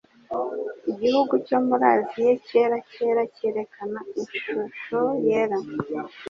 igihugu cyo muri Aziya cyera cyera cyerekana ishusho yera